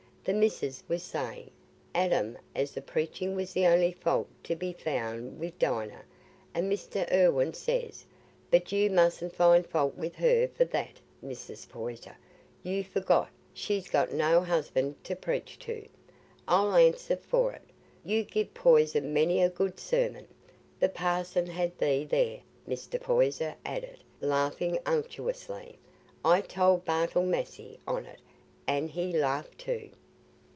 The missis was saying, Adam, as the preaching was the only fault to be found wi' Dinah, and Mr. Irwine says, 'But you mustn't find fault with her for that, Mrs. Poyser; you forget she's got no husband to preach to. I'll answer for it, you give Poyser many a good sermon.' The parson had thee there," Mr. Poyser added, laughing unctuously. "I told Bartle Massey on it, an' he laughed too."